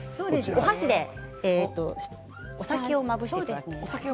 お箸でお酒をまぶしてください。